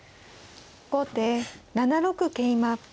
後手７六桂馬。